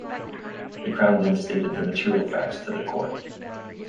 The Crown then stated the material facts to the court.